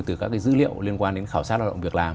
từ các dữ liệu liên quan đến khảo sát lao động việc làm